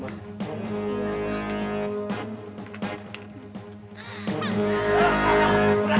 dalam bahasa juara